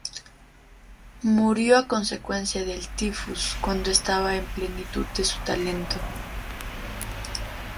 Murió a consecuencia del tifus cuando estaba en la plenitud de su talento.